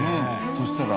そうしたら？